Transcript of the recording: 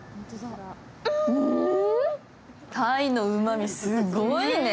たいのうまみすごいね。